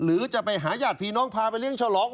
หรือจะไปหาญาติพี่น้องพาไปเลี้ยฉลอง